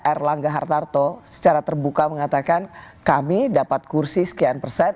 erlangga hartarto secara terbuka mengatakan kami dapat kursi sekian persen